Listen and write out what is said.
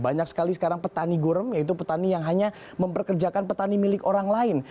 banyak sekali sekarang petani gurem yaitu petani yang hanya memperkerjakan petani milik orang lain